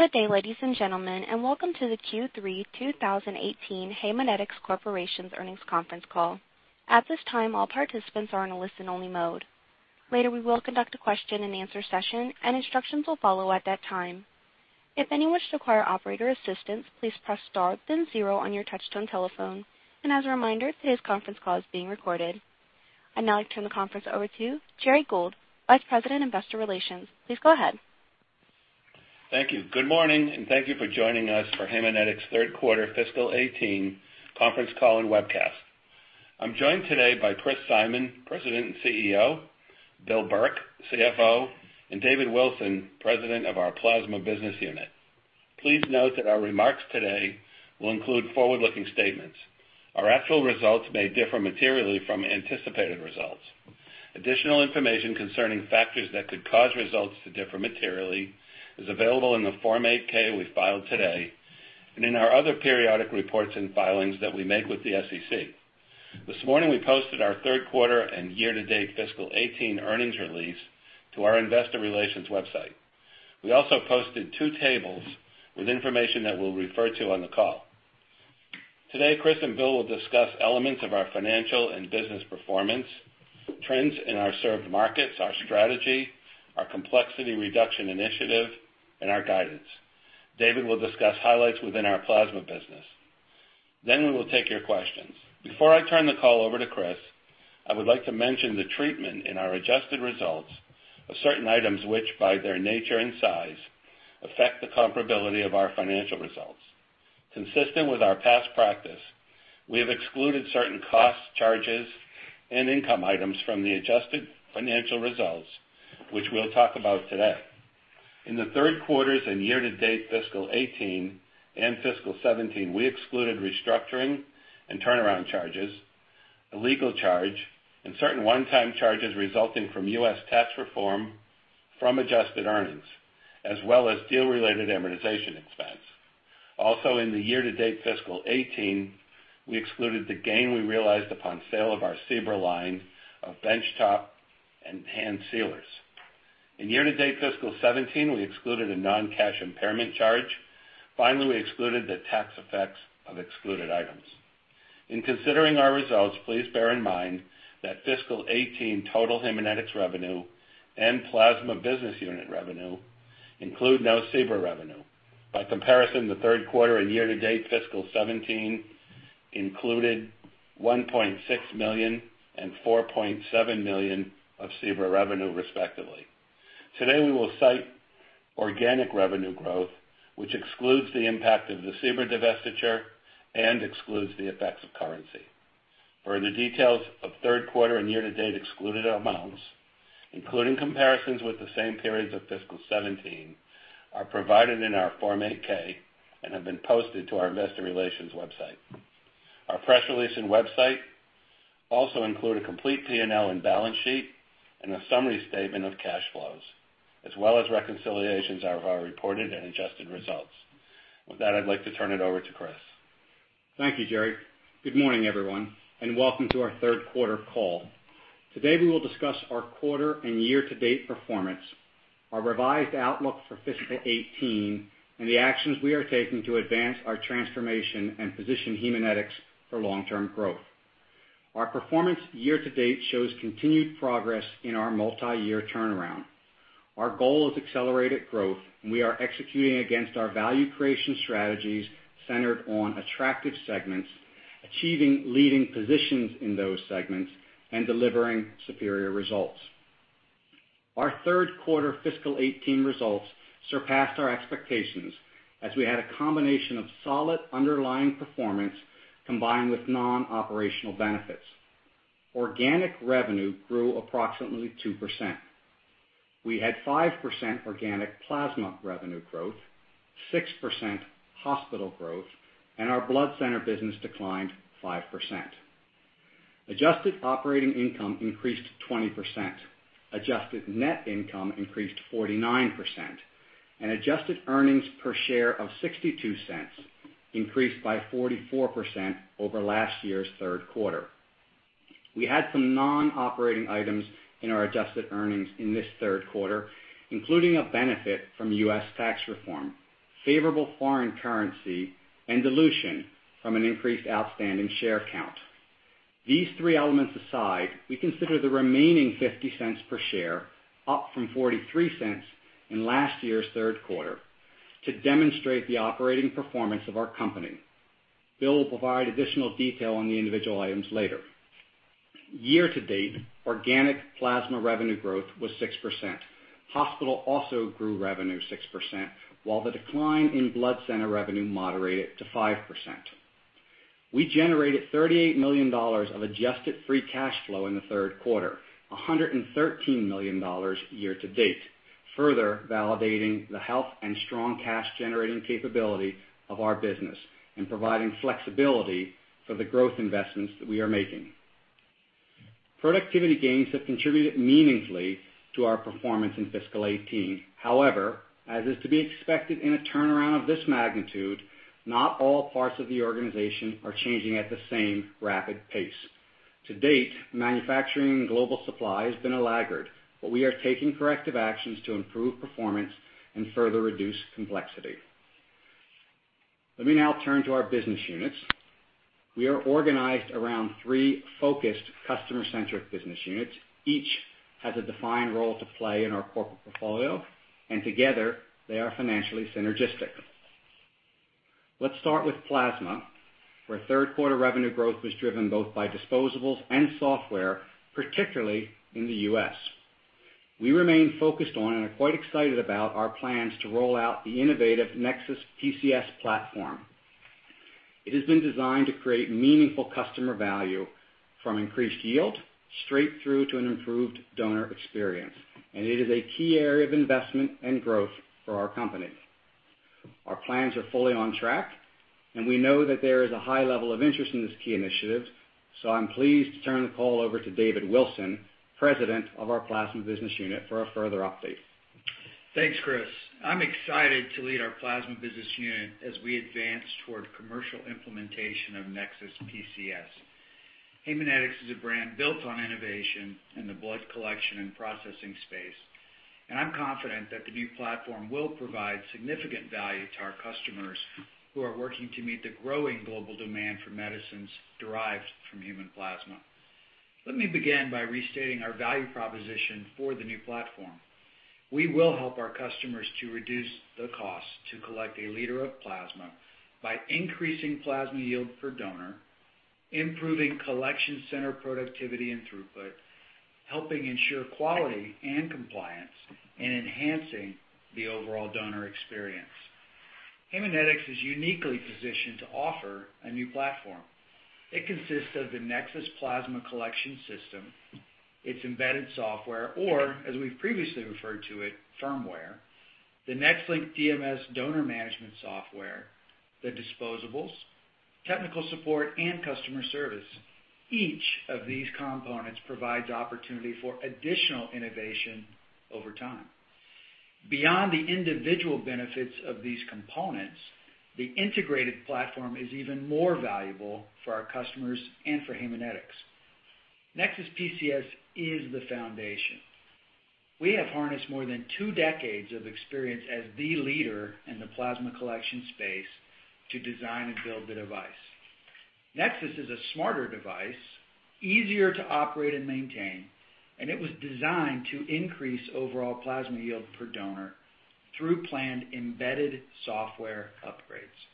Good day, ladies and gentlemen, welcome to the Q3 2018 Haemonetics Corporation's earnings conference call. At this time, all participants are in a listen only mode. Later, we will conduct a question and answer session and instructions will follow at that time. If any wish to acquire operator assistance, please press star then zero on your touchtone telephone. As a reminder, today's conference call is being recorded. I'd now like to turn the conference over to Gerry Gould, Vice President, Investor Relations. Please go ahead. Thank you. Good morning, thank you for joining us for Haemonetics' third quarter fiscal 2018 conference call and webcast. I'm joined today by Chris Simon, President and CEO, Bill Burke, CFO, and David Wilson, President of our Plasma business unit. Please note that our remarks today will include forward-looking statements. Our actual results may differ materially from anticipated results. Additional information concerning factors that could cause results to differ materially is available in the Form 8-K we filed today and in our other periodic reports and filings that we make with the SEC. This morning, we posted our third quarter and year-to-date fiscal 2018 earnings release to our investor relations website. We also posted two tables with information that we'll refer to on the call. Today, Chris and Bill will discuss elements of our financial and business performance, trends in our served markets, our strategy, our complexity reduction initiative, and our guidance. David will discuss highlights within our Plasma business. We will take your questions. Before I turn the call over to Chris, I would like to mention the treatment in our adjusted results of certain items which, by their nature and size, affect the comparability of our financial results. Consistent with our past practice, we have excluded certain cost charges and income items from the adjusted financial results, which we'll talk about today. In the third quarters and year-to-date fiscal 2018 and fiscal 2017, we excluded restructuring and turnaround charges, a legal charge, and certain one-time charges resulting from U.S. tax reform from adjusted earnings, as well as deal-related amortization expense. In the year-to-date fiscal 2018, we excluded the gain we realized upon sale of our SEBRA line of benchtop and hand sealers. In year-to-date fiscal 2017, we excluded a non-cash impairment charge. We excluded the tax effects of excluded items. In considering our results, please bear in mind that fiscal 2018 total Haemonetics revenue and Plasma business unit revenue include no SEBRA revenue. By comparison, the third quarter and year-to-date fiscal 2017 included $1.6 million and $4.7 million of SEBRA revenue, respectively. Today, we will cite organic revenue growth, which excludes the impact of the SEBRA divestiture and excludes the effects of currency. Further details of third quarter and year-to-date excluded amounts, including comparisons with the same periods of fiscal 2017, are provided in our Form 8-K and have been posted to our investor relations website. Our press release and website also include a complete P&L and balance sheet and a summary statement of cash flows, as well as reconciliations of our reported and adjusted results. With that, I'd like to turn it over to Chris. Thank you, Gerry. Good morning, everyone, and welcome to our third quarter call. Today, we will discuss our quarter and year-to-date performance, our revised outlook for fiscal 2018, and the actions we are taking to advance our transformation and position Haemonetics for long-term growth. Our performance year-to-date shows continued progress in our multi-year turnaround. Our goal is accelerated growth, and we are executing against our value creation strategies centered on attractive segments, achieving leading positions in those segments, and delivering superior results. Our third quarter fiscal 2018 results surpassed our expectations as we had a combination of solid underlying performance combined with non-operational benefits. Organic revenue grew approximately 2%. We had 5% organic Plasma revenue growth, 6% hospital growth, and our Blood Center business declined 5%. Adjusted operating income increased 20%, adjusted net income increased 49%, and adjusted earnings per share of $0.62 increased by 44% over last year's third quarter. We had some non-operating items in our adjusted earnings in this third quarter, including a benefit from U.S. tax reform, favorable foreign currency, and dilution from an increased outstanding share count. These three elements aside, we consider the remaining $0.50 per share up from $0.43 in last year's third quarter to demonstrate the operating performance of our company. Bill will provide additional detail on the individual items later. Year-to-date, organic Plasma revenue growth was 6%. Hospital also grew revenue 6%, while the decline in Blood Center revenue moderated to 5%. We generated $38 million of adjusted free cash flow in the third quarter, $113 million year-to-date, further validating the health and strong cash-generating capability of our business and providing flexibility for the growth investments that we are making. Productivity gains have contributed meaningfully to our performance in fiscal 2018. As is to be expected in a turnaround of this magnitude, not all parts of the organization are changing at the same rapid pace. To date, manufacturing global supply has been a laggard, but we are taking corrective actions to improve performance and further reduce complexity. Let me now turn to our business units. We are organized around three focused customer-centric business units. Each has a defined role to play in our corporate portfolio, and together they are financially synergistic. Let's start with plasma, where third quarter revenue growth was driven both by disposables and software, particularly in the U.S. We remain focused on and are quite excited about our plans to roll out the innovative NexSys PCS platform. It has been designed to create meaningful customer value from increased yield straight through to an improved donor experience, and it is a key area of investment and growth for our company. Our plans are fully on track, and we know that there is a high level of interest in this key initiative. I'm pleased to turn the call over to David Wilson, President of our Plasma Business Unit, for a further update. Thanks, Chris. I'm excited to lead our Plasma Business Unit as we advance toward commercial implementation of NexSys PCS. Haemonetics is a brand built on innovation in the blood collection and processing space. I'm confident that the new platform will provide significant value to our customers who are working to meet the growing global demand for medicines derived from human plasma. Let me begin by restating our value proposition for the new platform. We will help our customers to reduce the cost to collect a liter of plasma by increasing plasma yield per donor, improving collection center productivity and throughput, helping ensure quality and compliance, and enhancing the overall donor experience. Haemonetics is uniquely positioned to offer a new platform. It consists of the NexSys plasma collection system, its embedded software, or as we've previously referred to it, firmware, the NexLynk DMS donor management software, the disposables, technical support, and customer service. Each of these components provides opportunity for additional innovation over time. Beyond the individual benefits of these components, the integrated platform is even more valuable for our customers and for Haemonetics. NexSys PCS is the foundation. We have harnessed more than two decades of experience as the leader in the plasma collection space to design and build the device. NexSys is a smarter device, easier to operate and maintain, and it was designed to increase overall plasma yield per donor through planned embedded software upgrades.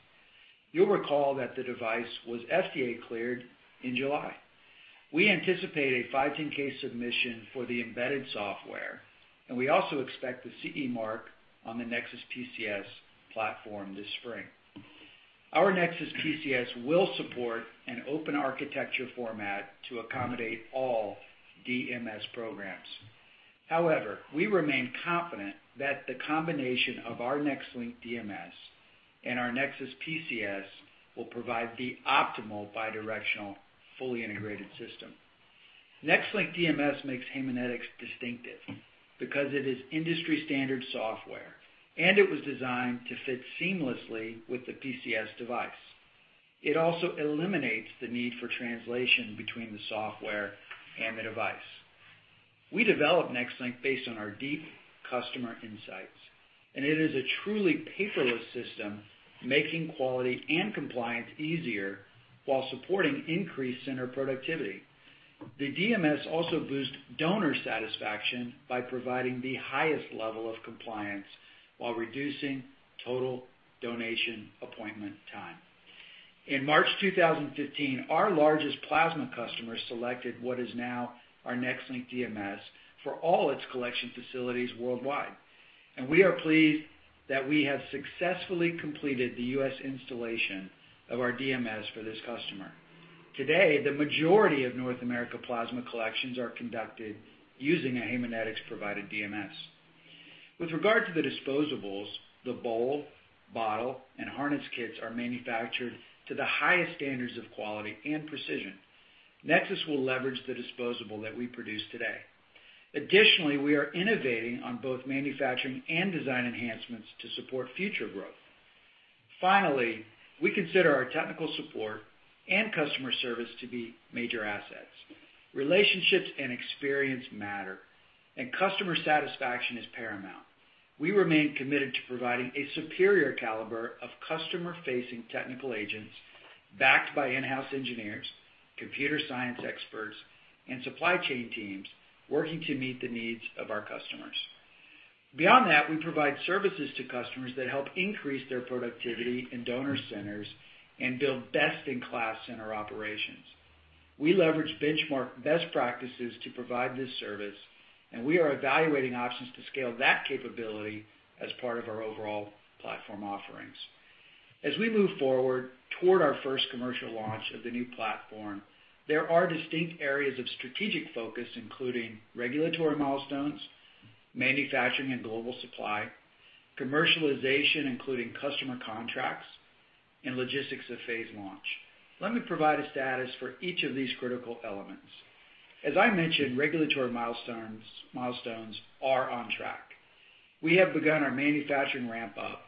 You'll recall that the device was FDA cleared in July. We anticipate a 510 submission for the embedded software. We also expect the CE mark on the NexSys PCS platform this spring. Our NexSys PCS will support an open architecture format to accommodate all DMS programs. However, we remain confident that the combination of our NexLynk DMS and our NexSys PCS will provide the optimal bidirectional, fully integrated system. NexLynk DMS makes Haemonetics distinctive because it is industry-standard software. It was designed to fit seamlessly with the PCS device. It also eliminates the need for translation between the software and the device. We developed NexLynk based on our deep customer insights. It is a truly paperless system, making quality and compliance easier while supporting increased center productivity. The DMS also boosts donor satisfaction by providing the highest level of compliance while reducing total donation appointment time. In March 2015, our largest plasma customer selected what is now our NexLynk DMS for all its collection facilities worldwide. We are pleased that we have successfully completed the U.S. installation of our DMS for this customer. Today, the majority of North America plasma collections are conducted using a Haemonetics-provided DMS. With regard to the disposables, the bowl, bottle, and harness kits are manufactured to the highest standards of quality and precision. NexSys will leverage the disposable that we produce today. Additionally, we are innovating on both manufacturing and design enhancements to support future growth. Finally, we consider our technical support and customer service to be major assets. Relationships and experience matter, and customer satisfaction is paramount. We remain committed to providing a superior caliber of customer-facing technical agents backed by in-house engineers, computer science experts, and supply chain teams working to meet the needs of our customers. Beyond that, we provide services to customers that help increase their productivity in donor centers and build best-in-class center operations. We leverage benchmark best practices to provide this service. We are evaluating options to scale that capability as part of our overall platform offerings. As we move forward toward our first commercial launch of the new platform, there are distinct areas of strategic focus, including regulatory milestones, manufacturing and global supply, commercialization, including customer contracts, and logistics of phase launch. Let me provide a status for each of these critical elements. As I mentioned, regulatory milestones are on track. We have begun our manufacturing ramp-up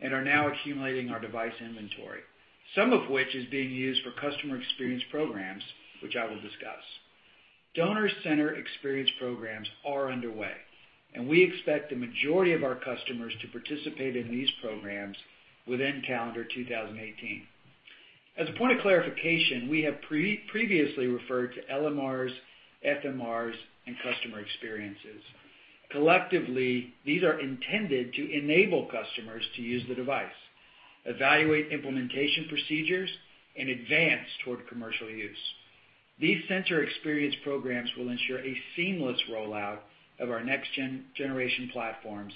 and are now accumulating our device inventory, some of which is being used for customer experience programs, which I will discuss. Donor center experience programs are underway, and we expect the majority of our customers to participate in these programs within calendar 2018. As a point of clarification, we have previously referred to LMRs, FMRs, and customer experiences. Collectively, these are intended to enable customers to use the device, evaluate implementation procedures, and advance toward commercial use. These center experience programs will ensure a seamless rollout of our next-generation platforms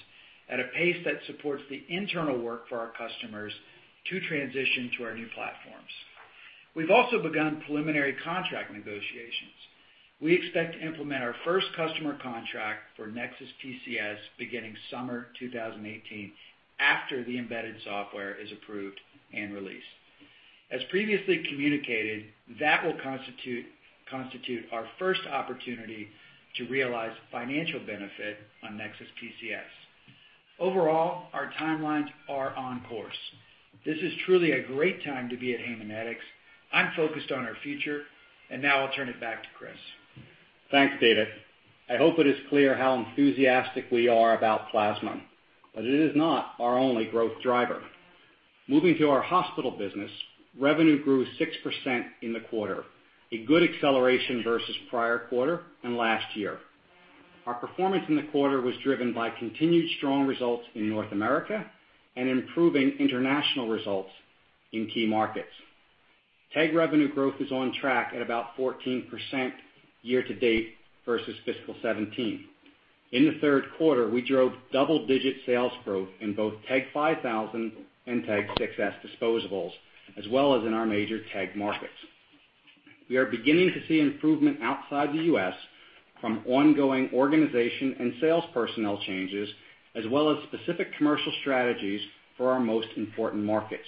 at a pace that supports the internal work for our customers to transition to our new platforms. We've also begun preliminary contract negotiations. We expect to implement our first customer contract for NexSys PCS beginning summer 2018 after the embedded software is approved and released. As previously communicated, that will constitute our first opportunity to realize financial benefit on NexSys PCS. Overall, our timelines are on course. This is truly a great time to be at Haemonetics. I'm focused on our future. Now I'll turn it back to Chris. Thanks, David. I hope it is clear how enthusiastic we are about plasma. It is not our only growth driver. Moving to our hospital business, revenue grew 6% in the quarter, a good acceleration versus prior quarter and last year. Our performance in the quarter was driven by continued strong results in North America and improving international results in key markets. TEG revenue growth is on track at about 14% year-to-date versus fiscal 2017. In the third quarter, we drove double-digit sales growth in both TEG 5000 and TEG 6s disposables, as well as in our major TEG markets. We are beginning to see improvement outside the U.S. from ongoing organization and sales personnel changes, as well as specific commercial strategies for our most important markets.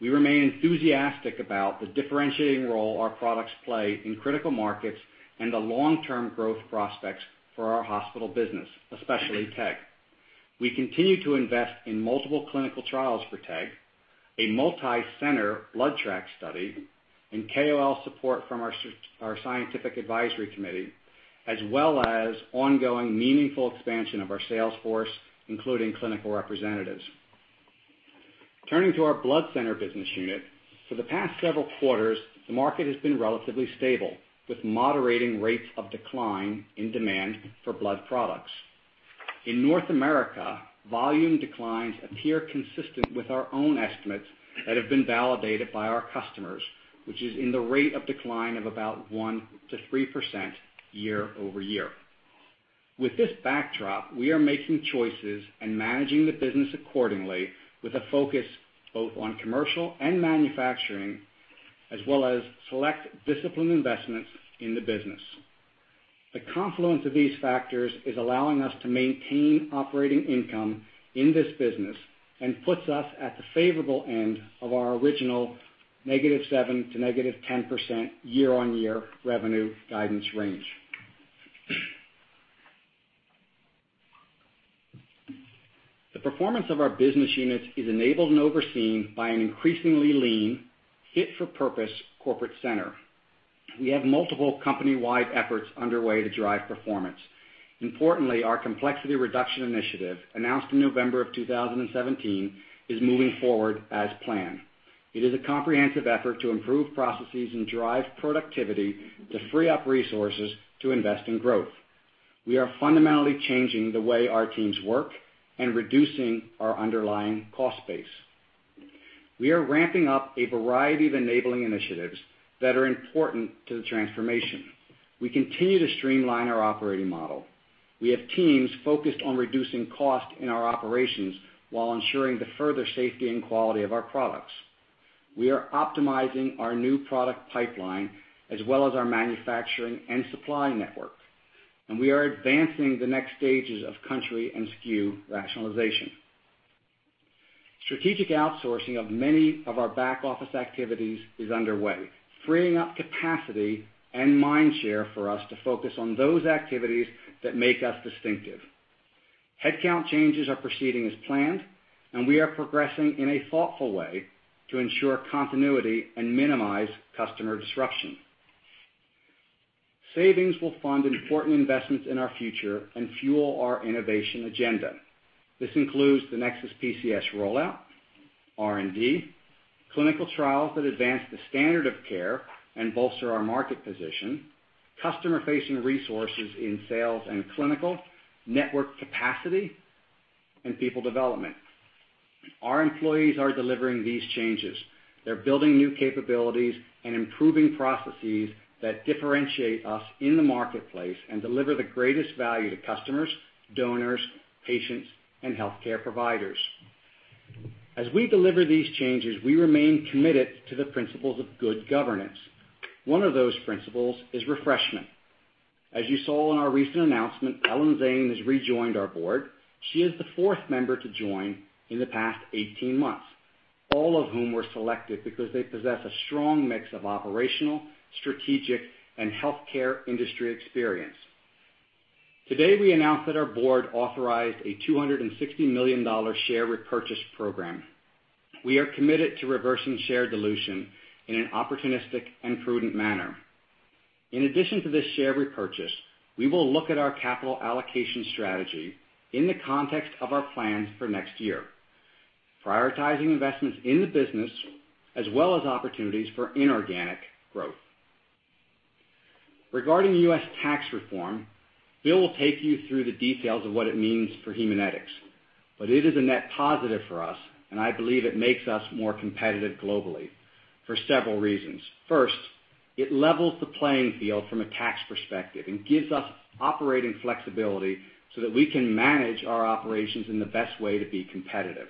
We remain enthusiastic about the differentiating role our products play in critical markets and the long-term growth prospects for our hospital business, especially TEG. We continue to invest in multiple clinical trials for TEG, a multicenter BloodTrack study, and KOL support from our scientific advisory committee, as well as ongoing meaningful expansion of our sales force, including clinical representatives. Turning to our Blood Center business unit. For the past several quarters, the market has been relatively stable, with moderating rates of decline in demand for blood products. In North America, volume declines appear consistent with our own estimates that have been validated by our customers, which is in the rate of decline of about 1%-3% year-over-year. With this backdrop, we are making choices and managing the business accordingly, with a focus both on commercial and manufacturing, as well as select disciplined investments in the business. The confluence of these factors is allowing us to maintain operating income in this business and puts us at the favorable end of our original -7% to -10% year-on-year revenue guidance range. The performance of our business units is enabled and overseen by an increasingly lean, fit-for-purpose corporate center. We have multiple company-wide efforts underway to drive performance. Importantly, our complexity reduction initiative, announced in November 2017, is moving forward as planned. It is a comprehensive effort to improve processes and drive productivity to free up resources to invest in growth. We are fundamentally changing the way our teams work and reducing our underlying cost base. We are ramping up a variety of enabling initiatives that are important to the transformation. We continue to streamline our operating model. We have teams focused on reducing cost in our operations while ensuring the further safety and quality of our products. We are optimizing our new product pipeline as well as our manufacturing and supply network. We are advancing the next stages of country and SKU rationalization. Strategic outsourcing of many of our back-office activities is underway, freeing up capacity and mind share for us to focus on those activities that make us distinctive. Headcount changes are proceeding as planned. We are progressing in a thoughtful way to ensure continuity and minimize customer disruption. Savings will fund important investments in our future and fuel our innovation agenda. This includes the NexSys PCS rollout, R&D, clinical trials that advance the standard of care and bolster our market position, customer-facing resources in sales and clinical, network capacity, and people development. Our employees are delivering these changes. They're building new capabilities and improving processes that differentiate us in the marketplace and deliver the greatest value to customers, donors, patients, and healthcare providers. As we deliver these changes, we remain committed to the principles of good governance. One of those principles is refreshment. As you saw in our recent announcement, Ellen Zane has rejoined our board. She is the fourth member to join in the past 18 months. All of whom were selected because they possess a strong mix of operational, strategic, and healthcare industry experience. Today, we announce that our board authorized a $260 million share repurchase program. We are committed to reversing share dilution in an opportunistic and prudent manner. In addition to this share repurchase, we will look at our capital allocation strategy in the context of our plans for next year, prioritizing investments in the business as well as opportunities for inorganic growth. Regarding U.S. tax reform, Bill will take you through the details of what it means for Haemonetics, but it is a net positive for us, and I believe it makes us more competitive globally for several reasons. First, it levels the playing field from a tax perspective and gives us operating flexibility so that we can manage our operations in the best way to be competitive.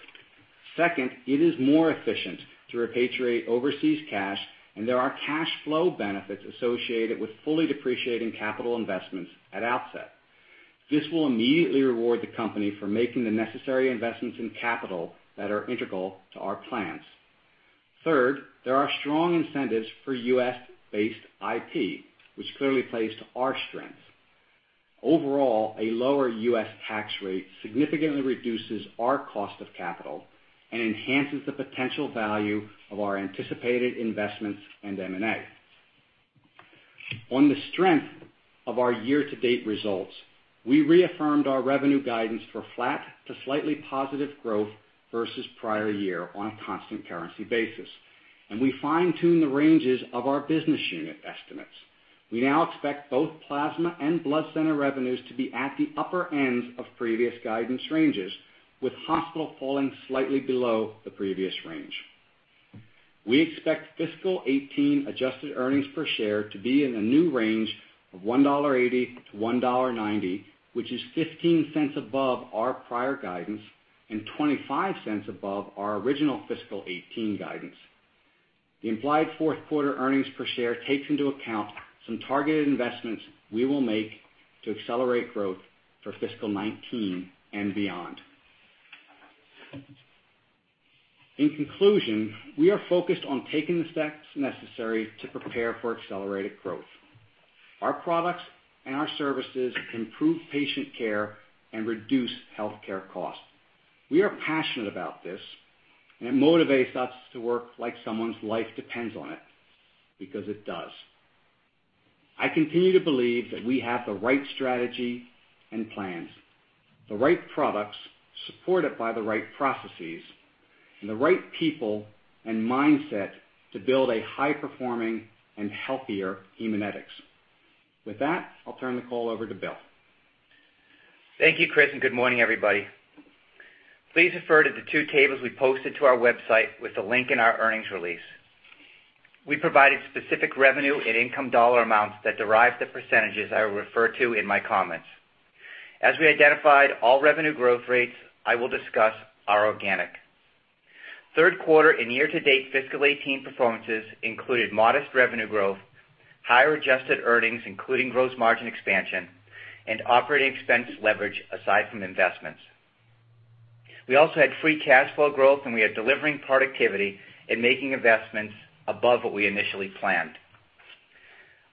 Second, it is more efficient to repatriate overseas cash, and there are cash flow benefits associated with fully depreciating capital investments at outset. This will immediately reward the company for making the necessary investments in capital that are integral to our plans. Third, there are strong incentives for U.S.-based IP, which clearly plays to our strengths. Overall, a lower U.S. tax rate significantly reduces our cost of capital and enhances the potential value of our anticipated investments and M&A. On the strength of our year-to-date results, we reaffirmed our revenue guidance for flat to slightly positive growth versus the prior year on a constant currency basis, and we fine-tuned the ranges of our business unit estimates. We now expect both plasma and Blood Center revenues to be at the upper ends of previous guidance ranges, with hospital falling slightly below the previous range. We expect fiscal 2018 adjusted earnings per share to be in the new range of $1.80-$1.90, which is $0.15 above our prior guidance and $0.25 above our original fiscal 2018 guidance. The implied fourth quarter earnings per share takes into account some targeted investments we will make to accelerate growth for fiscal 2019 and beyond. In conclusion, we are focused on taking the steps necessary to prepare for accelerated growth. Our products and our services improve patient care and reduce healthcare costs. We are passionate about this, and it motivates us to work like someone's life depends on it, because it does. I continue to believe that we have the right strategy and plans, the right products, supported by the right processes, and the right people and mindset to build a high-performing and healthier Haemonetics. With that, I'll turn the call over to Bill. Thank you, Chris, and good morning, everybody. Please refer to the two tables we posted to our website with the link in our earnings release. We provided specific revenue and income dollar amounts that derive the percentages I will refer to in my comments. As we identified, all revenue growth rates I will discuss are organic. Third quarter and year-to-date fiscal 2018 performances included modest revenue growth, higher adjusted earnings, including gross margin expansion, and operating expense leverage aside from investments. We also had free cash flow growth, and we are delivering productivity and making investments above what we initially planned.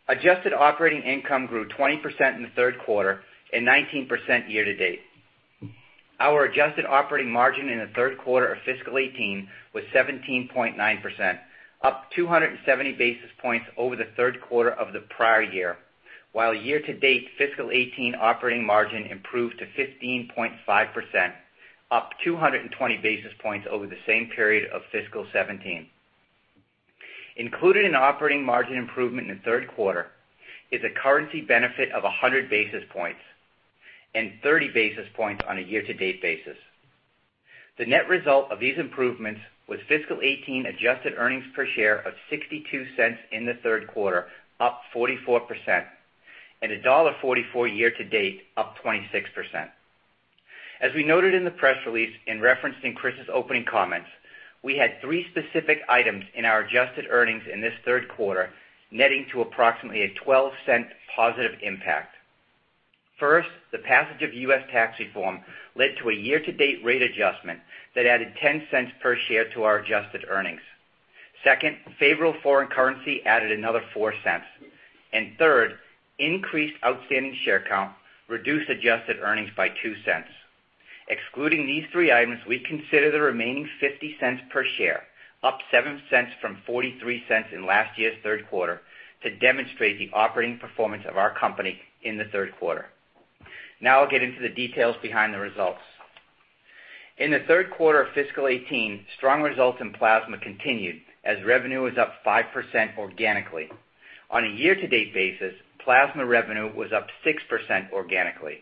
Adjusted operating income grew 20% in the third quarter and 19% year-to-date. Our adjusted operating margin in the third quarter of fiscal 2018 was 17.9%, up 270 basis points over the third quarter of the prior year, while year-to-date fiscal 2018 operating margin improved to 15.5%, up 220 basis points over the same period of fiscal 2017. Included in operating margin improvement in the third quarter is a currency benefit of 100 basis points and 30 basis points on a year-to-date basis. The net result of these improvements was fiscal 2018 adjusted EPS of $0.62 in the third quarter, up 44%, and $1.44 year-to-date, up 26%. As we noted in the press release and referenced in Chris's opening comments, we had three specific items in our adjusted earnings in this third quarter, netting to approximately a $0.12 positive impact. The passage of U.S. tax reform led to a year-to-date rate adjustment that added $0.10 per share to our adjusted earnings. Favorable foreign currency added another $0.04. Increased outstanding share count reduced adjusted earnings by $0.02. Excluding these three items, we consider the remaining $0.50 per share, up $0.07 from $0.43 in last year's third quarter, to demonstrate the operating performance of our company in the third quarter. I'll get into the details behind the results. In the third quarter of fiscal 2018, strong results in plasma continued as revenue was up 5% organically. On a year-to-date basis, plasma revenue was up 6% organically.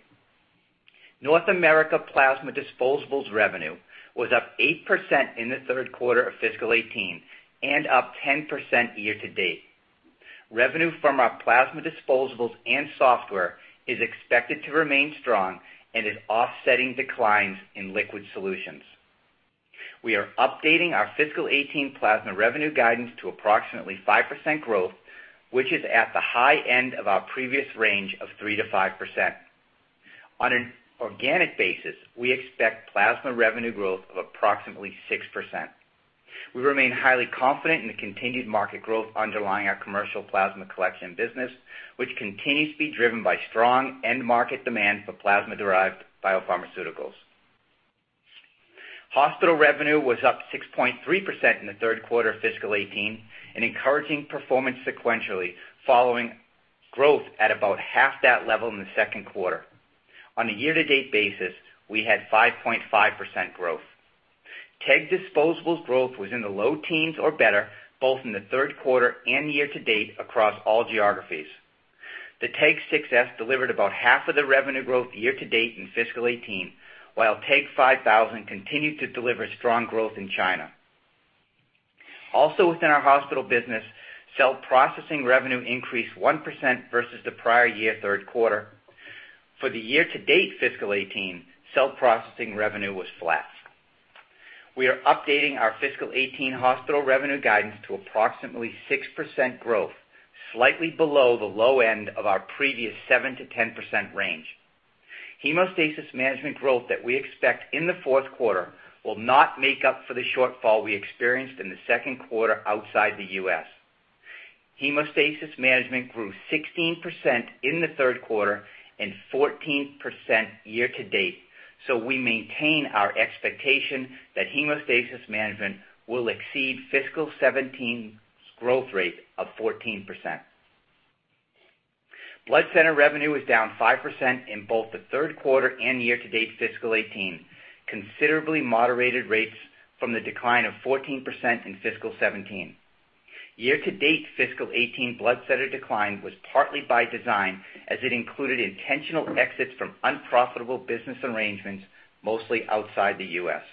North America plasma disposables revenue was up 8% in the third quarter of fiscal 2018 and up 10% year-to-date. Revenue from our plasma disposables and software is expected to remain strong and is offsetting declines in liquid solutions. We are updating our fiscal 2018 plasma revenue guidance to approximately 5% growth, which is at the high end of our previous range of 3%-5%. On an organic basis, we expect plasma revenue growth of approximately 6%. We remain highly confident in the continued market growth underlying our commercial plasma collection business, which continues to be driven by strong end market demand for plasma-derived biopharmaceuticals. Hospital revenue was up 6.3% in the third quarter of fiscal 2018, an encouraging performance sequentially following growth at about half that level in the second quarter. On a year-to-date basis, we had 5.5% growth. TEG disposables growth was in the low teens or better, both in the third quarter and year-to-date across all geographies. The TEG 6s delivered about half of the revenue growth year-to-date in fiscal 2018, while TEG 5000 continued to deliver strong growth in China. Also within our hospital business, cell processing revenue increased 1% versus the prior year third quarter. For the year-to-date fiscal 2018, cell processing revenue was flat. We are updating our fiscal 2018 hospital revenue guidance to approximately 6% growth, slightly below the low end of our previous 7%-10% range. Hemostasis management growth that we expect in the fourth quarter will not make up for the shortfall we experienced in the second quarter outside the U.S. Hemostasis management grew 16% in the third quarter and 14% year-to-date, we maintain our expectation that hemostasis management will exceed fiscal 2017's growth rate of 14%. Blood center revenue is down 5% in both the third quarter and year-to-date fiscal 2018, considerably moderated rates from the decline of 14% in fiscal 2017. Year-to-date fiscal 2018 Blood Center decline was partly by design, as it included intentional exits from unprofitable business arrangements, mostly outside the U.S.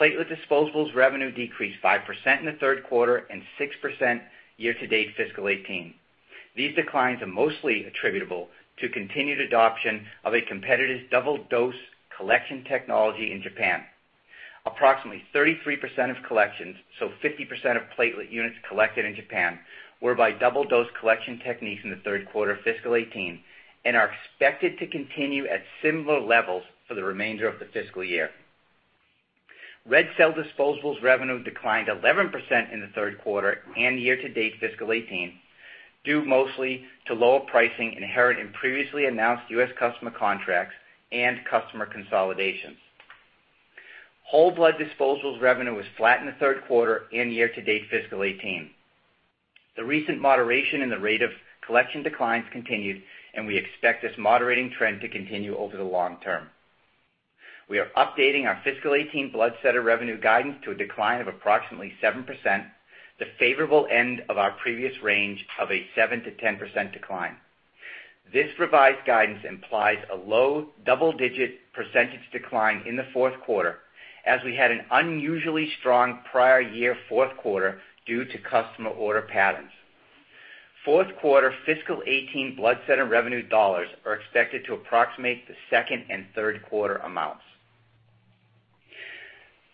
Platelet disposables revenue decreased 5% in the third quarter and 6% year-to-date fiscal 2018. These declines are mostly attributable to continued adoption of a competitive double-dose collection technology in Japan. Approximately 33% of collections, so 50% of platelet units collected in Japan, were by double-dose collection techniques in the third quarter of fiscal 2018, and are expected to continue at similar levels for the remainder of the fiscal year. Red cell disposables revenue declined 11% in the third quarter and year-to-date fiscal 2018, due mostly to lower pricing inherent in previously announced U.S. customer contracts and customer consolidations. Whole blood disposables revenue was flat in the third quarter and year-to-date fiscal 2018. The recent moderation in the rate of collection declines continued, and we expect this moderating trend to continue over the long term. We are updating our fiscal 2018 Blood Center revenue guidance to a decline of approximately 7%, the favorable end of our previous range of a 7%-10% decline. This revised guidance implies a low double-digit percentage decline in the fourth quarter, as we had an unusually strong prior year fourth quarter due to customer order patterns. Fourth quarter fiscal 2018 Blood Center revenue dollars are expected to approximate the second and third quarter amounts.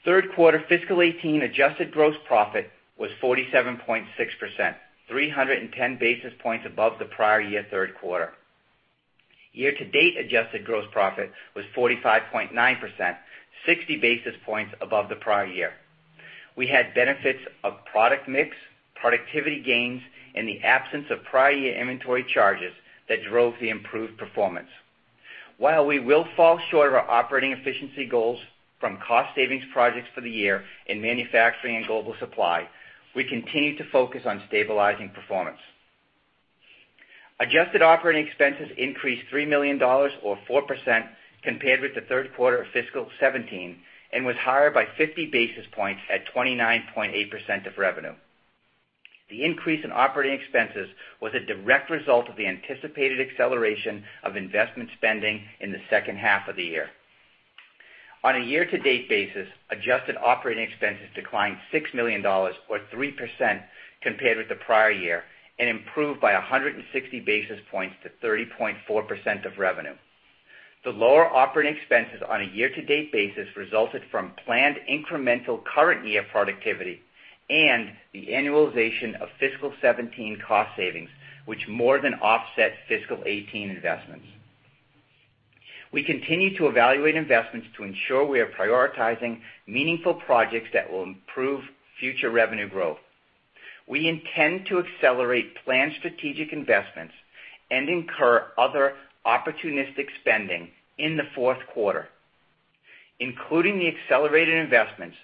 Third quarter fiscal 2018 adjusted gross profit was 47.6%, 310 basis points above the prior year third quarter. Year-to-date adjusted gross profit was 45.9%, 60 basis points above the prior year. We had benefits of product mix, productivity gains, and the absence of prior year inventory charges that drove the improved performance. While we will fall short of our operating efficiency goals from cost savings projects for the year in manufacturing and global supply, we continue to focus on stabilizing performance. Adjusted operating expenses increased $3 million, or 4%, compared with the third quarter of fiscal 2017, and was higher by 50 basis points at 29.8% of revenue. The increase in operating expenses was a direct result of the anticipated acceleration of investment spending in the second half of the year. On a year-to-date basis, adjusted operating expenses declined $6 million, or 3%, compared with the prior year, and improved by 160 basis points to 30.4% of revenue. The lower operating expenses on a year-to-date basis resulted from planned incremental current year productivity and the annualization of fiscal 2017 cost savings, which more than offset fiscal 2018 investments. We continue to evaluate investments to ensure we are prioritizing meaningful projects that will improve future revenue growth. We intend to accelerate planned strategic investments and incur other opportunistic spending in the fourth quarter. Including the accelerated investments,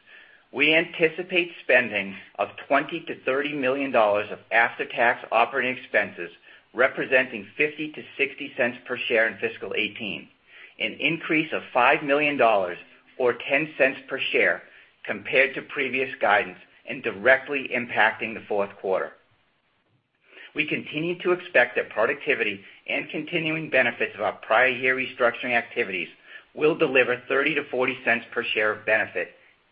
we anticipate spending of $20 million-$30 million of after-tax operating expenses, representing $0.50-$0.60 per share in fiscal 2018, an increase of $5 million, or $0.10 per share, compared to previous guidance and directly impacting the fourth quarter. We continue to expect that productivity and continuing benefits of our prior year restructuring activities will deliver $0.30-$0.40 per share of benefit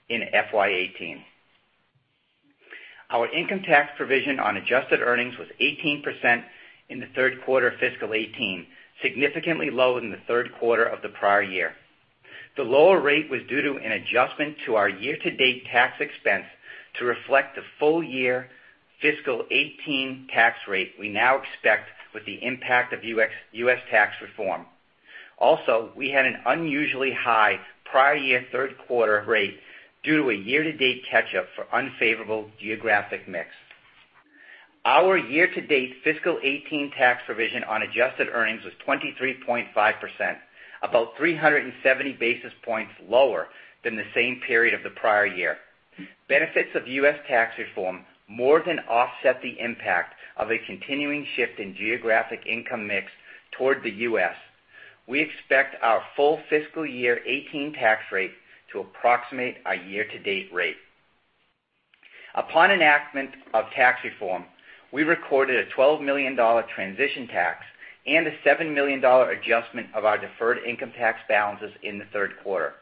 in FY 2018. Our income tax provision on adjusted earnings was 18% in the third quarter of fiscal 2018, significantly lower than the third quarter of the prior year. The lower rate was due to an adjustment to our year-to-date tax expense to reflect the full year fiscal 2018 tax rate we now expect with the impact of U.S. tax reform. Also, we had an unusually high prior year third quarter rate due to a year-to-date catch-up for unfavorable geographic mix. Our year-to-date fiscal 2018 tax provision on adjusted earnings was 23.5%, about 370 basis points lower than the same period of the prior year. Benefits of U.S. tax reform more than offset the impact of a continuing shift in geographic income mix toward the U.S. We expect our full fiscal year 2018 tax rate to approximate our year-to-date rate. Upon enactment of tax reform, we recorded a $12 million transition tax and a $7 million adjustment of our deferred income tax balances in the third quarter.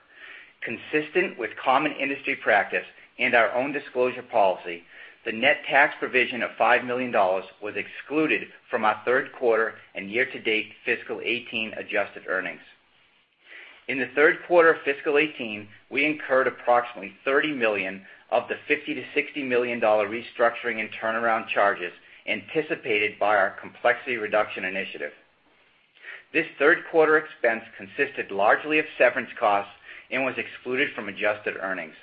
Consistent with common industry practice and our own disclosure policy, the net tax provision of $5 million was excluded from our third quarter and year-to-date fiscal 2018 adjusted earnings. In the third quarter of fiscal 2018, we incurred approximately $30 million of the $50 million-$60 million restructuring and turnaround charges anticipated by our complexity reduction initiative. This third-quarter expense consisted largely of severance costs and was excluded from adjusted earnings.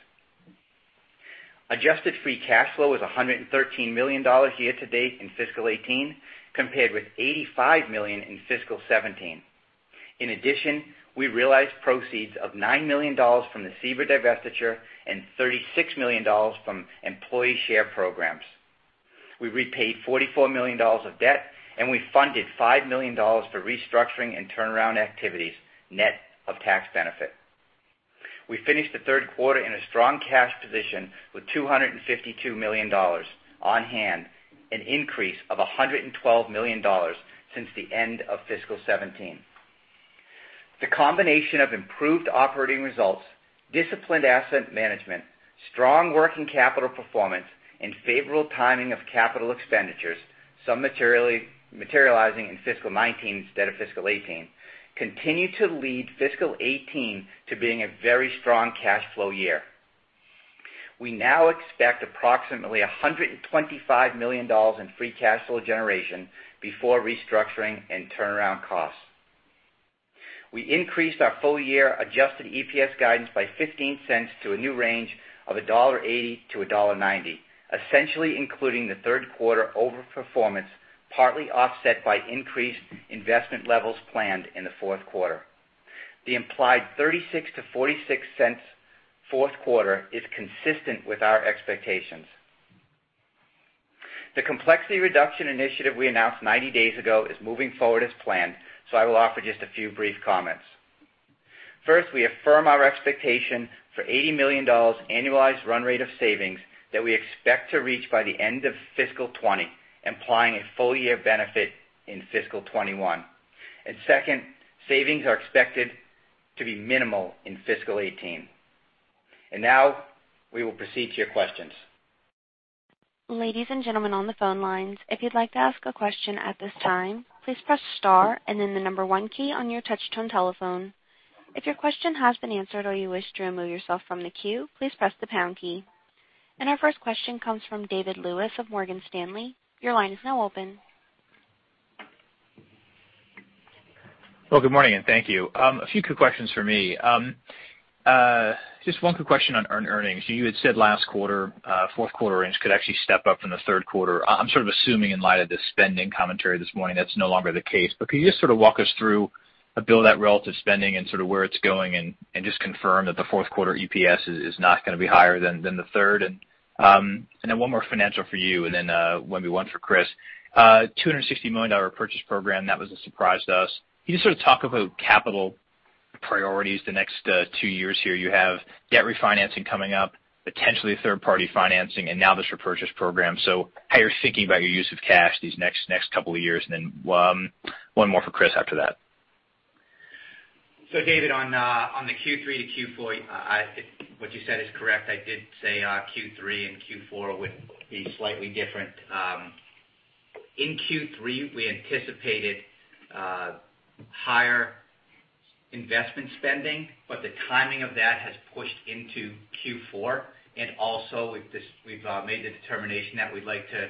Adjusted free cash flow was $113 million year to date in fiscal 2018, compared with $85 million in fiscal 2017. In addition, we realized proceeds of $9 million from the SEBRA divestiture and $36 million from employee share programs. We repaid $44 million of debt. We funded $5 million for restructuring and turnaround activities, net of tax benefit. We finished the third quarter in a strong cash position with $252 million on-hand, an increase of $112 million since the end of fiscal 2017. The combination of improved operating results, disciplined asset management, strong working capital performance, and favorable timing of capital expenditures, some materializing in fiscal 2019 instead of fiscal 2018, continue to lead fiscal 2018 to being a very strong cash flow year. We now expect approximately $125 million in free cash flow generation before restructuring and turnaround costs. We increased our full-year adjusted EPS guidance by $0.15 to a new range of $1.80-$1.90, essentially including the third quarter over performance, partly offset by increased investment levels planned in the fourth quarter. The implied $0.36-$0.46 fourth quarter is consistent with our expectations. The complexity reduction initiative we announced 90 days ago is moving forward as planned. I will offer just a few brief comments. First, we affirm our expectation for $80 million annualized run rate of savings that we expect to reach by the end of fiscal 2020, implying a full-year benefit in fiscal 2021. Second, savings are expected to be minimal in fiscal 2018. Now, we will proceed to your questions. Ladies and gentlemen on the phone lines, if you'd like to ask a question at this time, please press star and then the number one key on your touch-tone telephone. If your question has been answered or you wish to remove yourself from the queue, please press the pound key. Our first question comes from David Lewis of Morgan Stanley. Your line is now open. Well, good morning, and thank you. A few quick questions from me. Just one quick question on earnings. You had said last quarter, fourth quarter earnings could actually step up from the third quarter. I'm sort of assuming in light of the spending commentary this morning, that's no longer the case. Can you just sort of walk us through a Bill that relative spending and sort of where it's going and just confirm that the fourth quarter EPS is not going to be higher than the third? Then one more financial for you and then maybe one for Chris. $260 million purchase program, that was a surprise to us. Can you just sort of talk about capital priorities the next two years here? You have debt refinancing coming up, potentially third-party financing, and now this repurchase program. How you're thinking about your use of cash these next couple of years? Then one more for Chris after that. David, on the Q3 to Q4, what you said is correct. I did say Q3 and Q4 would be slightly different. In Q3, we anticipated higher investment spending, the timing of that has pushed into Q4. Also, we've made the determination that we'd like to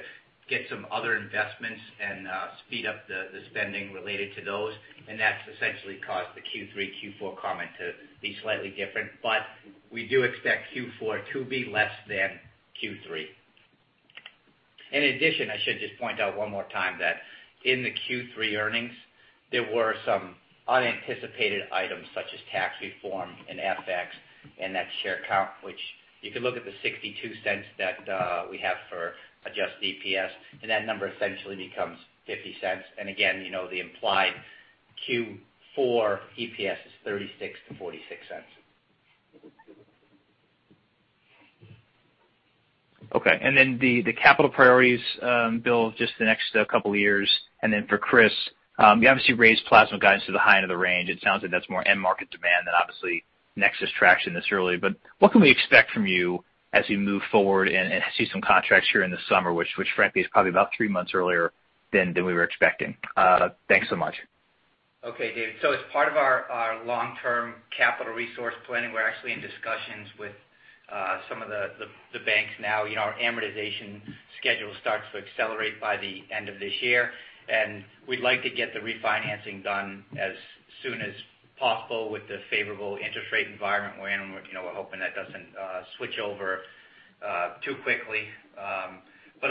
get some other investments and speed up the spending related to those, that's essentially caused the Q3, Q4 comment to be slightly different. We do expect Q4 to be less than Q3. In addition, I should just point out one more time that in the Q3 earnings, there were some unanticipated items such as tax reform and FX and net share count, which you can look at the $0.62 that we have for adjusted EPS, and that number essentially becomes $0.50. Again, the implied Q4 EPS is $0.36 to $0.46. Okay. The capital priorities bill just the next couple of years. For Chris, you obviously raised plasma guidance to the high end of the range. It sounds like that's more end market demand than obviously NexSys traction this early. What can we expect from you as you move forward and see some contracts here in the summer, which frankly is probably about three months earlier than we were expecting? Thanks so much. Okay, David. As part of our long-term capital resource planning, we're actually in discussions with some of the banks now. Our amortization schedule starts to accelerate by the end of this year, we'd like to get the refinancing done as soon as possible with the favorable interest rate environment we're in, we're hoping that doesn't switch over too quickly.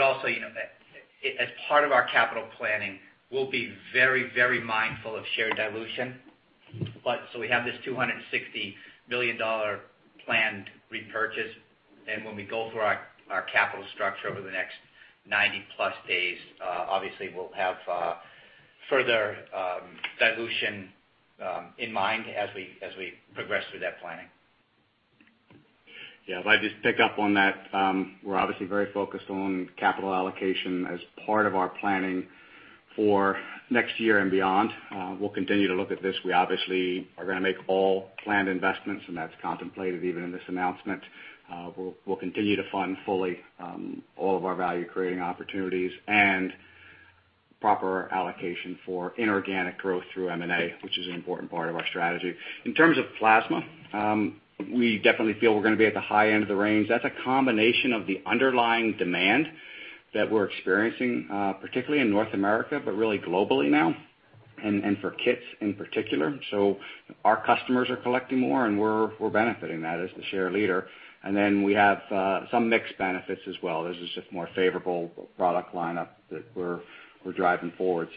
Also, as part of our capital planning, we'll be very mindful of share dilution. We have this $260 million planned repurchase, and when we go through our capital structure over the next 90 plus days, obviously, we'll have further dilution in mind as we progress through that planning. Yeah. If I just pick up on that, we're obviously very focused on capital allocation as part of our planning for next year and beyond. We'll continue to look at this. We obviously are going to make all planned investments, and that's contemplated even in this announcement. We'll continue to fund fully all of our value-creating opportunities and proper allocation for inorganic growth through M&A, which is an important part of our strategy. In terms of plasma, we definitely feel we're going to be at the high end of the range. That's a combination of the underlying demand that we're experiencing, particularly in North America, but really globally now, and for kits in particular. Our customers are collecting more, we're benefiting that as the share leader. We have some mixed benefits as well. There's just more favorable product lineup that we're driving forward.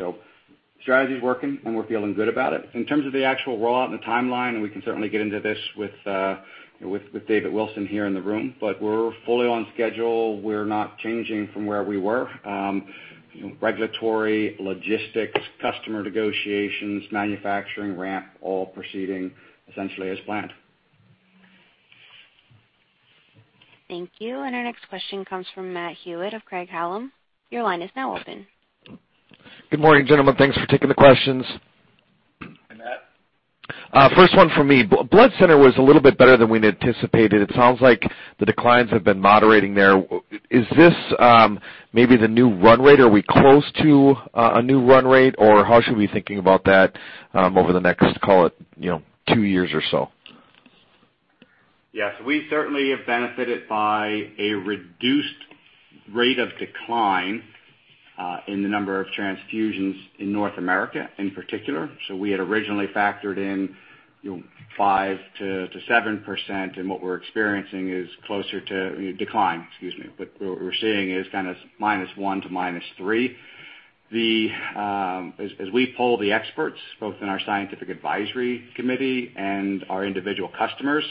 Strategy's working, we're feeling good about it. In terms of the actual rollout and the timeline, we can certainly get into this with David Wilson here in the room, we're fully on schedule. We're not changing from where we were. Regulatory, logistics, customer negotiations, manufacturing ramp, all proceeding essentially as planned. Thank you. Our next question comes from Matt Hewitt of Craig-Hallum. Your line is now open. Good morning, gentlemen. Thanks for taking the questions. Hi, Matt. First one for me. Blood center was a little bit better than we'd anticipated. It sounds like the declines have been moderating there. Is this maybe the new run rate? Are we close to a new run rate, or how should we be thinking about that over the next, call it, two years or so? Yes, we certainly have benefited by a reduced rate of decline in the number of transfusions in North America in particular. We had originally factored in 5%-7%, and what we're experiencing is closer to decline, excuse me, but what we're seeing is -1% to -3%. As we poll the experts, both in our scientific advisory committee and our individual customers,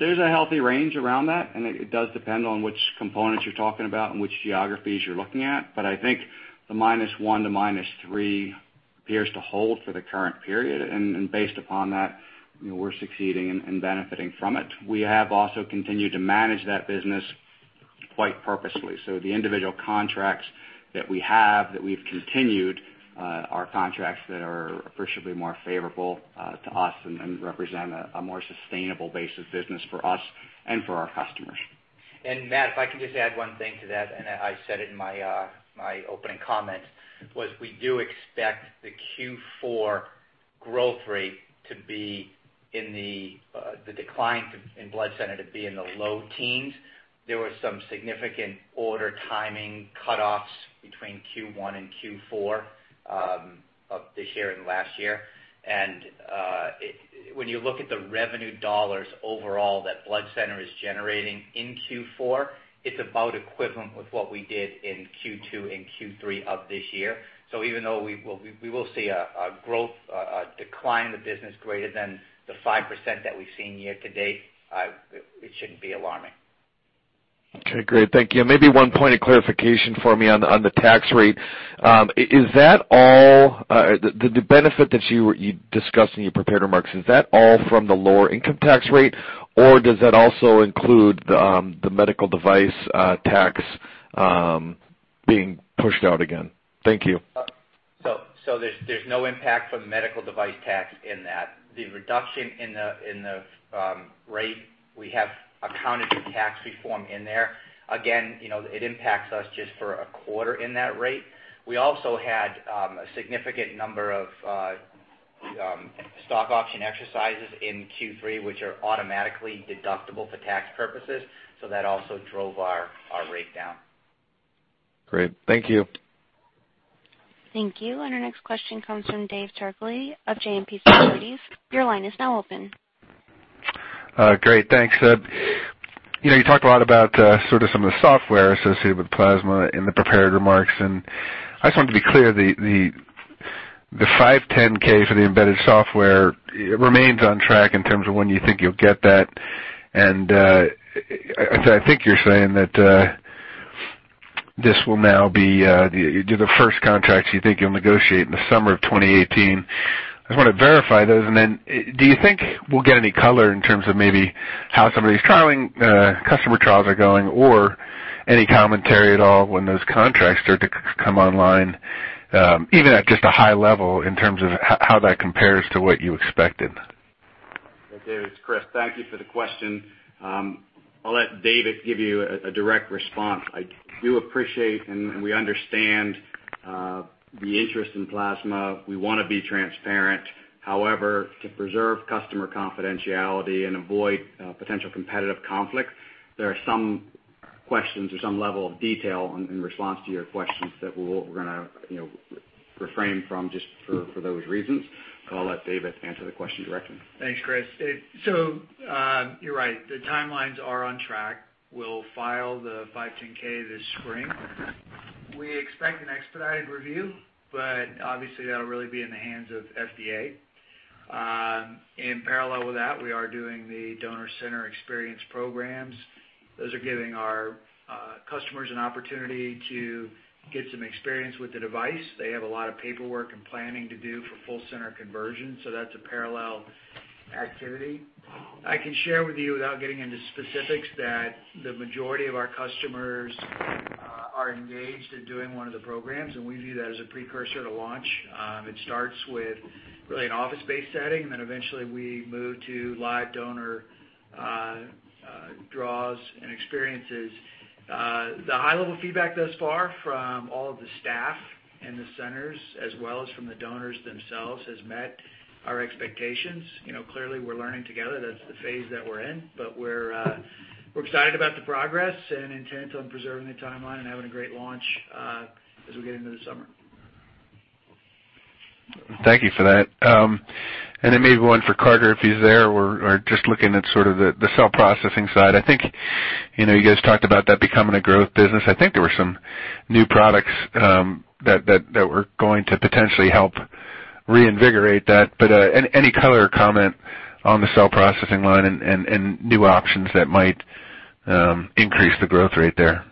there's a healthy range around that, and it does depend on which components you're talking about and which geographies you're looking at. I think the -1% to -3% appears to hold for the current period, and based upon that, we're succeeding and benefiting from it. We have also continued to manage that business quite purposefully. The individual contracts that we have, that we've continued, are contracts that are appreciably more favorable to us and represent a more sustainable base of business for us and for our customers. Matt, if I can just add one thing to that, and I said it in my opening comments, was we do expect the Q4 growth rate to be in the decline in Blood Center to be in the low teens. There was some significant order timing cutoffs between Q1 and Q4 of this year and last year. When you look at the revenue dollars overall that Blood Center is generating in Q4, it's about equivalent with what we did in Q2 and Q3 of this year. Even though we will see a decline in the business greater than the 5% that we've seen year-to-date, it shouldn't be alarming. Okay, great. Thank you. Maybe one point of clarification for me on the tax rate. The benefit that you discussed in your prepared remarks, is that all from the lower income tax rate, or does that also include the medical device tax being pushed out again? Thank you. There's no impact from the medical device tax in that. The reduction in the rate, we have accounted for tax reform in there. Again, it impacts us just for a quarter in that rate. We also had a significant number of stock option exercises in Q3, which are automatically deductible for tax purposes. That also drove our rate down. Great. Thank you. Thank you. Our next question comes from Dave Turkaly of JMP Securities. Your line is now open. Great. Thanks. You talked a lot about some of the software associated with plasma in the prepared remarks, I just wanted to be clear, the 510 for the embedded software remains on track in terms of when you think you'll get that. I think you're saying that this will now be the first contracts you think you'll negotiate in the summer of 2018. I just want to verify those, then do you think we'll get any color in terms of maybe how some of these customer trials are going or any commentary at all when those contracts start to come online, even at just a high level in terms of how that compares to what you expected? It's Chris. Thank you for the question. I'll let David give you a direct response. I do appreciate and we understand the interest in plasma. We want to be transparent. However, to preserve customer confidentiality and avoid potential competitive conflict, there are some questions or some level of detail in response to your questions that we're going to refrain from just for those reasons. I'll let David answer the question directly. Thanks, Chris. You're right. The timelines are on track. We'll file the 510 this spring. We expect an expedited review, obviously that'll really be in the hands of FDA. In parallel with that, we are doing the donor center experience programs. Those are giving our customers an opportunity to get some experience with the device. They have a lot of paperwork and planning to do for full center conversion, that's a parallel activity. I can share with you, without getting into specifics, that the majority of our customers are engaged in doing one of the programs, and we view that as a precursor to launch. It starts with really an office-based setting, eventually we move to live donor draws and experiences. The high-level feedback thus far from all of the staff and the centers as well as from the donors themselves has met our expectations. Clearly, we're learning together. That's the phase that we're in, we're excited about the progress and intent on preserving the timeline and having a great launch as we get into the summer. Thank you for that. Maybe one for Carter, if he's there. We're just looking at sort of the cell processing side. I think you guys talked about that becoming a growth business. I think there were some new products that were going to potentially help reinvigorate that, any color or comment on the cell processing line and new options that might increase the growth rate there?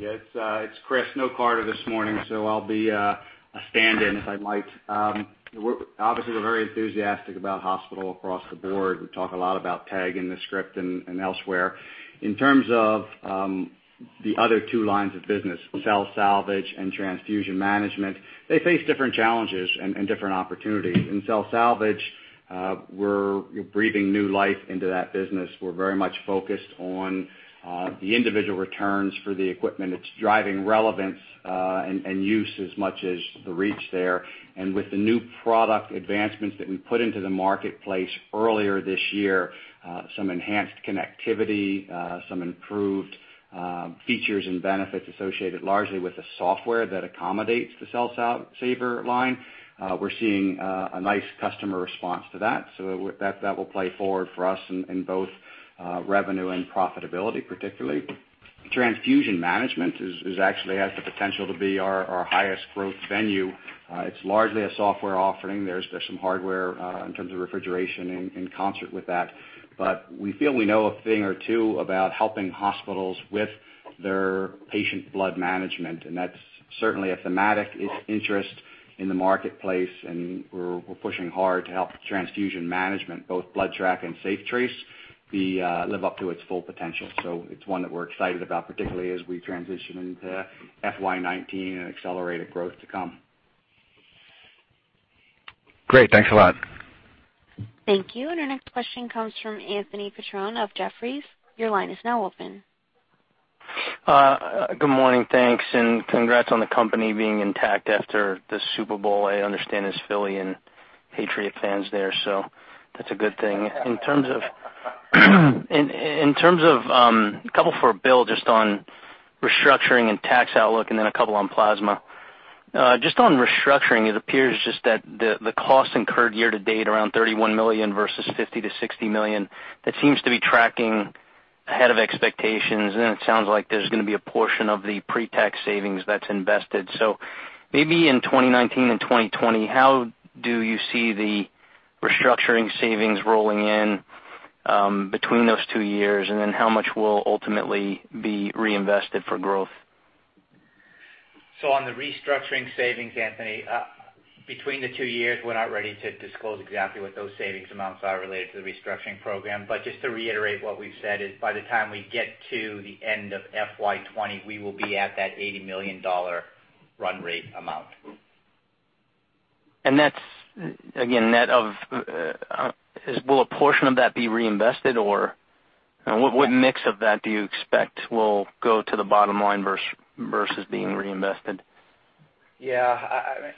It's Chris. No Carter this morning, so I'll be a stand-in, if I might. Obviously, we're very enthusiastic about hospital across the board. We talk a lot about TEG in the script and elsewhere. In terms of the other two lines of business, cell salvage and transfusion management, they face different challenges and different opportunities. In cell salvage, we're breathing new life into that business. We're very much focused on the individual returns for the equipment. It's driving relevance and use as much as the reach there. With the new product advancements that we put into the marketplace earlier this year, some enhanced connectivity, some improved features and benefits associated largely with the software that accommodates the Cell Saver line. We're seeing a nice customer response to that, so that will play forward for us in both revenue and profitability, particularly. Transfusion management actually has the potential to be our highest growth venue. It's largely a software offering. There's some hardware in terms of refrigeration in concert with that. We feel we know a thing or two about helping hospitals with their patient blood management, and that's certainly a thematic interest in the marketplace, and we're pushing hard to help transfusion management, both BloodTrack and SafeTrace, live up to its full potential. It's one that we're excited about, particularly as we transition into FY 2019 and accelerated growth to come. Great. Thanks a lot. Thank you. Our next question comes from Anthony Petrone of Jefferies. Your line is now open. Good morning, thanks, and congrats on the company being intact after the Super Bowl. I understand there's Philly and Patriot fans there, so that's a good thing. A couple for Bill, just on restructuring and tax outlook, and then a couple on plasma. Just on restructuring, it appears just that the cost incurred year to date, around $31 million versus $50 million-$60 million, that seems to be tracking ahead of expectations. It sounds like there's going to be a portion of the pre-tax savings that's invested. Maybe in 2019 and 2020, how do you see the restructuring savings rolling in between those two years, and then how much will ultimately be reinvested for growth? On the restructuring savings, Anthony, between the two years, we're not ready to disclose exactly what those savings amounts are related to the restructuring program. Just to reiterate what we've said is by the time we get to the end of FY 2020, we will be at that $80 million run rate amount. That's, again, net of will a portion of that be reinvested, or what mix of that do you expect will go to the bottom line versus being reinvested? Yeah. I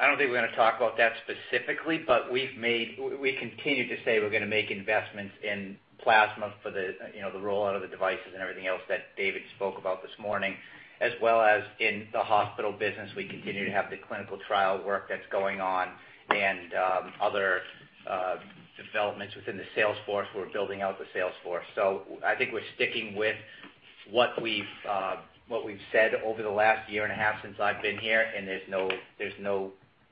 don't think we're going to talk about that specifically, we continue to say we're going to make investments in plasma for the rollout of the devices and everything else that David spoke about this morning, as well as in the hospital business. We continue to have the clinical trial work that's going on and other developments within the sales force. We're building out the sales force. I think we're sticking with what we've said over the last year and a half since I've been here, and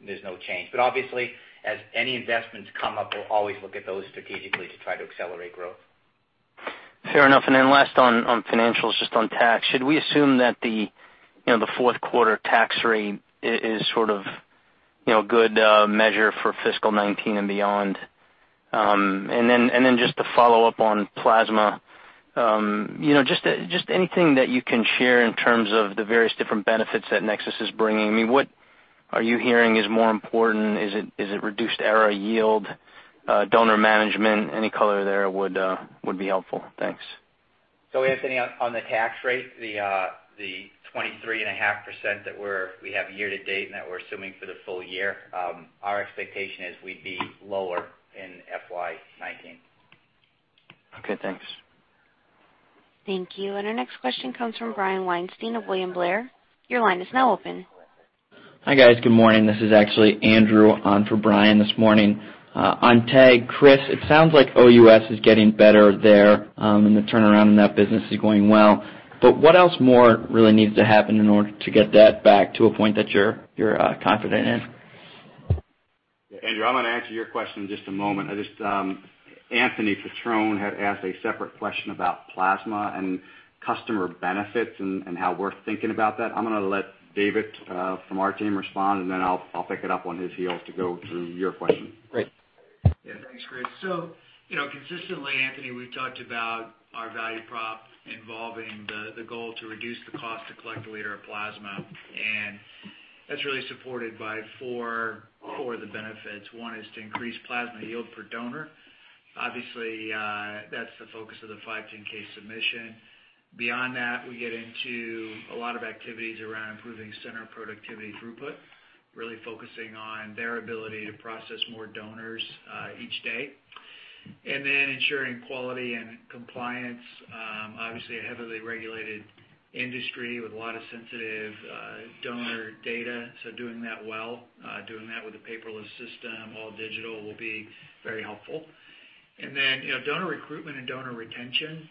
there's no change. Obviously, as any investments come up, we'll always look at those strategically to try to accelerate growth. Fair enough. Last on financials, just on tax, should we assume that the fourth quarter tax rate is sort of a good measure for fiscal 2019 and beyond? Just to follow up on plasma, just anything that you can share in terms of the various different benefits that NexSys is bringing. I mean, are you hearing is more important? Is it reduced error yield, donor management? Any color there would be helpful. Thanks. Anthony, on the tax rate, the 23.5% that we have year-to-date and that we're assuming for the full year, our expectation is we'd be lower in FY 2019. Okay, thanks. Thank you. Our next question comes from Brian Weinstein of William Blair. Your line is now open. Hi, guys. Good morning. This is actually Andrew on for Brian this morning. On TEG, Chris, it sounds like OUS is getting better there, and the turnaround in that business is going well, but what else more really needs to happen in order to get that back to a point that you're confident in? Yeah, Andrew, I'm going to answer your question in just a moment. Anthony Petrone had asked a separate question about plasma and customer benefits and how we're thinking about that. I'll pick it up on his heels to go through your question. Great. Yeah. Thanks, Chris. Consistently, Anthony, we've talked about our value prop involving the goal to reduce the cost to collect a liter of plasma, and that's really supported by four of the benefits. One is to increase plasma yield per donor. Obviously, that's the focus of the 510 submission. Beyond that, we get into a lot of activities around improving center productivity throughput, really focusing on their ability to process more donors each day. Ensuring quality and compliance, obviously a heavily regulated industry with a lot of sensitive donor data. Doing that well, doing that with a paperless system, all digital, will be very helpful. Donor recruitment and donor retention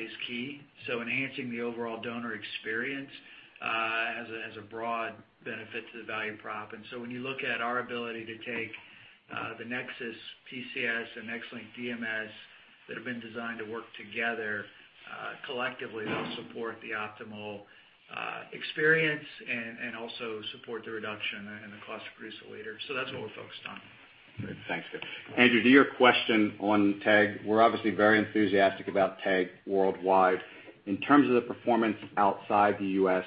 is key, enhancing the overall donor experience has a broad benefit to the value prop. When you look at our ability to take the NexSys PCS and NexLynk DMS that have been designed to work together, collectively, they'll support the optimal experience and also support the reduction in the cost to produce a liter. That's what we're focused on. Great. Thanks, David. Andrew, to your question on TEG, we're obviously very enthusiastic about TEG worldwide. In terms of the performance outside the U.S.,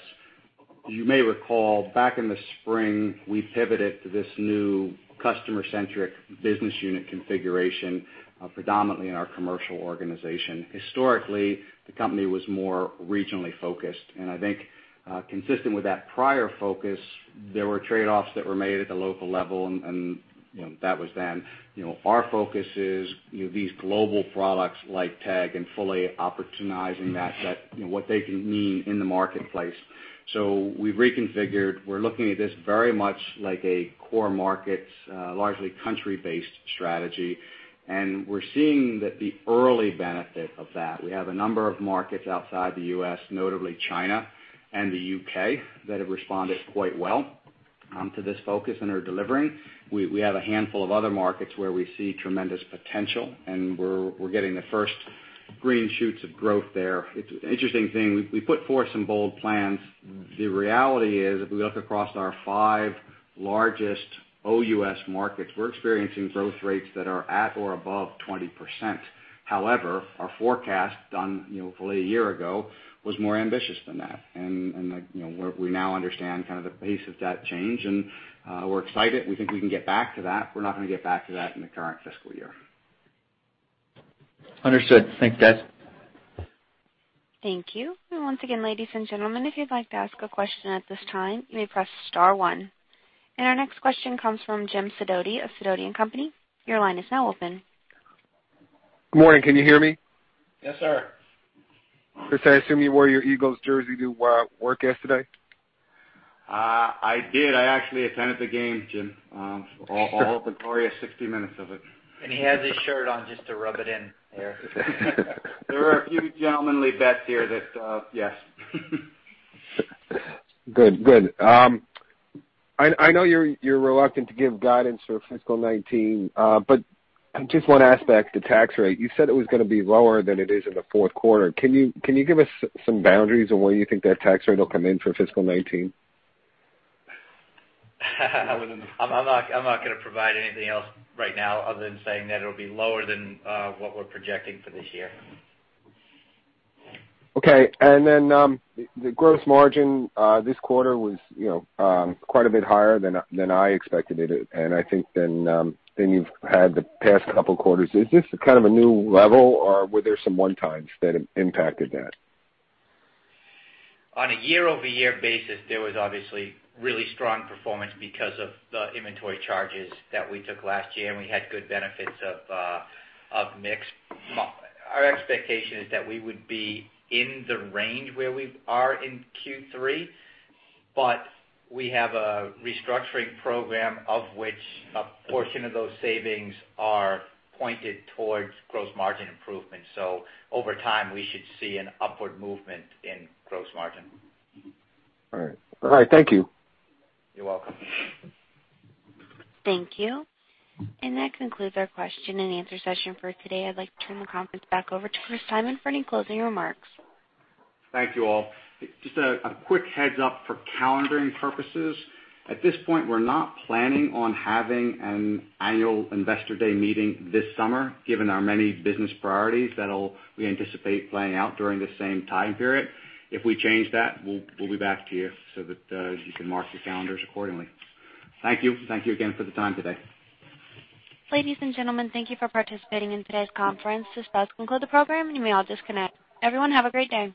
you may recall back in the spring, we pivoted to this new customer-centric business unit configuration, predominantly in our commercial organization. Historically, the company was more regionally focused, and I think consistent with that prior focus, there were trade-offs that were made at the local level, and that was then. Our focus is these global products like TEG and fully opportunizing that, what they can mean in the marketplace. We've reconfigured. We're looking at this very much like a core markets, largely country-based strategy, and we're seeing that the early benefit of that, we have a number of markets outside the U.S., notably China and the U.K., that have responded quite well to this focus and are delivering. We have a handful of other markets where we see tremendous potential, and we're getting the first green shoots of growth there. It's an interesting thing. We put forth some bold plans. The reality is, if we look across our five largest OUS markets, we're experiencing growth rates that are at or above 20%. However, our forecast done fully a year ago was more ambitious than that. We now understand the pace of that change, and we're excited. We think we can get back to that. We're not going to get back to that in the current fiscal year. Understood. Thanks, guys. Thank you. Once again, ladies and gentlemen, if you'd like to ask a question at this time, you may press star one. Our next question comes from Jim Sidoti of Sidoti & Company. Your line is now open. Good morning. Can you hear me? Yes, sir. Chris, I assume you wore your Eagles jersey to work yesterday. I did. I actually attended the game, Jim, all the glorious 60 minutes of it. He has his shirt on just to rub it in there. There were a few gentlemanly bets here that, yes. Good. I know you're reluctant to give guidance for fiscal 2019. Just one aspect, the tax rate, you said it was going to be lower than it is in the fourth quarter. Can you give us some boundaries on where you think that tax rate will come in for fiscal 2019? I'm not going to provide anything else right now other than saying that it'll be lower than what we're projecting for this year. Okay. The gross margin this quarter was quite a bit higher than I expected it, and I think than you've had the past couple quarters. Is this a new level, or were there some one-times that have impacted that? On a year-over-year basis, there was obviously really strong performance because of the inventory charges that we took last year, and we had good benefits of mix. Our expectation is that we would be in the range where we are in Q3, but we have a restructuring program, of which a portion of those savings are pointed towards gross margin improvement. Over time, we should see an upward movement in gross margin. All right. Thank you. You're welcome. Thank you. That concludes our question and answer session for today. I'd like to turn the conference back over to Chris Simon for any closing remarks. Thank you all. Just a quick heads-up for calendaring purposes. At this point, we're not planning on having an annual investor day meeting this summer, given our many business priorities that we anticipate playing out during the same time period. If we change that, we'll be back to you so that you can mark your calendars accordingly. Thank you. Thank you again for the time today. Ladies and gentlemen, thank you for participating in today's conference. This does conclude the program, you may all disconnect. Everyone, have a great day.